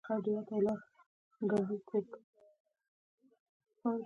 بامیان ولې په ژمي کې ډیر یخ وي؟